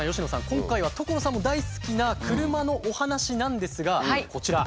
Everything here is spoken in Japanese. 今回は所さんも大好きな車のお話なんですがこちら。